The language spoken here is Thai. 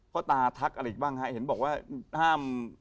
พอตาทักเห็นบอกว่าอย่า